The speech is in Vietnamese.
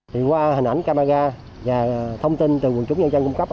thì qua hình ảnh camera và thông tin từ quần chúng nhân dân cung cấp